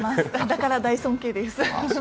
だから大尊敬です。